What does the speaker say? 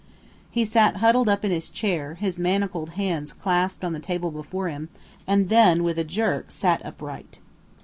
He sat huddled up in his chair, his manacled hands clasped on the table before him, and then with a jerk sat upright.